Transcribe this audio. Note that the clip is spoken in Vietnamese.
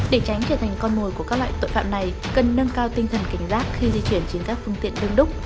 để tránh trở thành con mồi của các loại tội phạm này cần nâng cao tinh thần cảnh giác khi di chuyển trên các phương tiện đông đúc